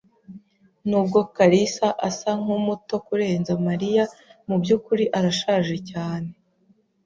Nubwo kalisa asa nkumuto kurenza Mariya, mubyukuri arashaje cyane